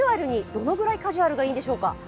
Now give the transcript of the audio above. どのくらいカジュアルがいいんでしょうか？